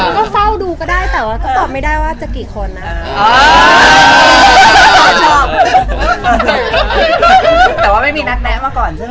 ก็เฝ้าดูก็ได้แต่ว่าก็ตอบไม่ได้ว่าจะกี่คนนะคะ